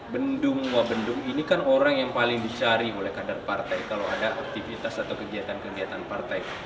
bendung wabendung ini kan orang yang paling dicari oleh kader partai kalau ada aktivitas atau kegiatan kegiatan partai